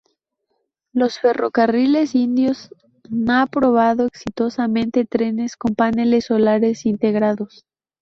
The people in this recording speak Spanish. Los ferrocarriles indios na probado exitosamente trenes con paneles solares integrados.